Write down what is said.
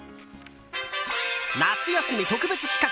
夏休み特別企画！